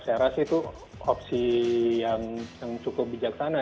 saya rasa itu opsi yang cukup bijaksana